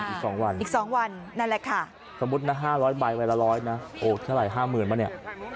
อีก๒วันอีก๒วันนั่นแหละค่ะสมมุตินะ๕๐๐ใบใบละร้อยนะโอ้เท่าไหร่๕๐๐๐ป่ะเนี่ย